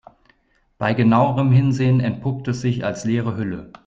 Bei genauerem Hinsehen entpuppt es sich als leere Hülle.